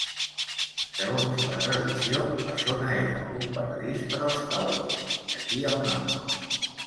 Segons la tradició, la zona era un "paradís" per als cowboys, d'aquí el nom.